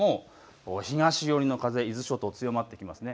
東寄りの風、伊豆諸島強まっていますね。